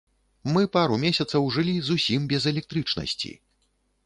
Мы пару месяцаў жылі зусім без электрычнасці!